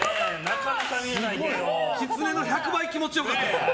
きつねの１００倍気持ち良かったです。